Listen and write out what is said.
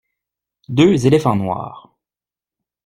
Deux éléphants noirs.